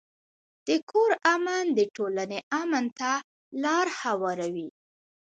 د کور امن د ټولنې امن ته لار هواروي.